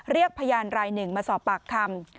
เรียกพยานรายหนึ่งมาสอบปากคำ